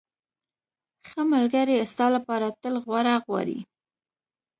ښه ملګری ستا لپاره تل غوره غواړي.